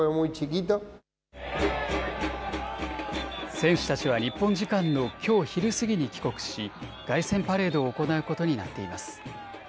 選手たちは日本時間のきょう昼過ぎに帰国し凱旋パレードを行うことになっています。